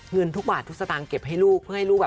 เงินทุกบาททุกสตางค์เก็บให้ลูก